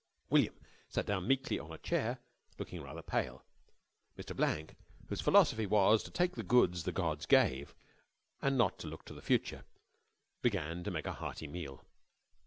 William sat down meekly on a chair, looking rather pale. Mr. Blank, whose philosophy was to take the goods the gods gave and not look to the future, began to make a hearty meal.